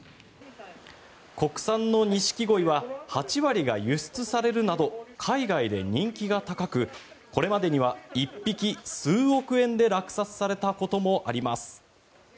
国産のニシキゴイは８割が輸出されるなど海外で人気が高くこれまでには１匹数億円で落札されたこともあります。